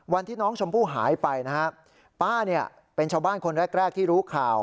วันที่น้องชมพู่หายไปนะฮะป้าเนี่ยเป็นชาวบ้านคนแรกแรกที่รู้ข่าว